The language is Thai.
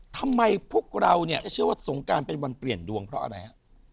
พวกเราเนี่ยจะเชื่อว่าสงการเป็นวันเปลี่ยนดวงเพราะอะไรฮะ